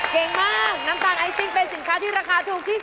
เก่งมากน้ำตาลไอซิ่งเป็นสินค้าที่ราคาถูกที่สุด